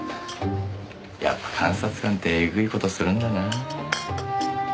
やっぱ監察官ってえぐい事するんだなぁ。